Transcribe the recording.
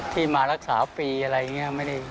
ที่มารักษาฟรีอะไรอย่างนี้